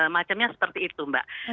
macamnya seperti itu mbak